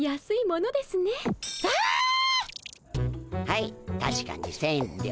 はいたしかに千両。